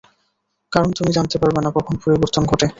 কারণ তুমি জানতে পারবে না, কখন পরিবর্তন ঘটে।